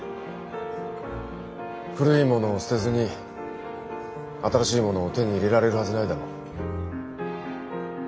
古いものを捨てずに新しいものを手に入れられるはずないだろ。